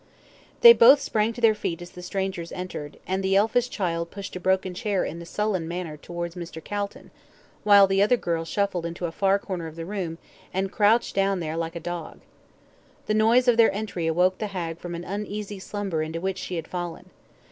They both sprang to their feet as the strangers entered, and the elfish child pushed a broken chair in a sullen manner towards Mr. Calton, while the other girl shuffled into a far corner of the room, and crouched down there like a dog. The noise of their entry awoke the hag from an uneasy slumber into which she had fallen.